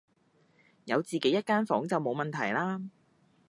有自己一間房就冇問題啦